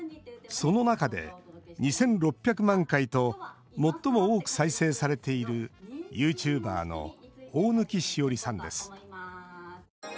その中で２６００万回と最も多く再生されているユーチューバーの大貫詩織さんです。